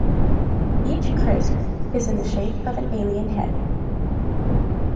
Each crisp is in the shape of an alien head.